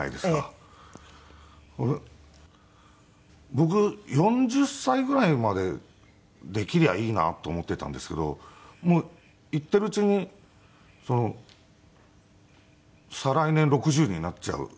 僕４０歳ぐらいまでできりゃいいなと思っていたんですけどもう言っているうちに再来年６０になっちゃうんですよ。